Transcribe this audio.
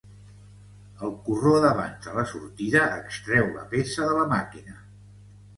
El corró d'avanç a la sortida extreu la peça de la màquina.